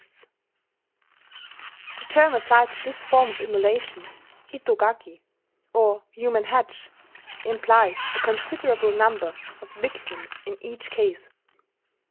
] The term applied to this form of immolation, hitogaki, or "human hedge," implies a considerable number of victims in each case.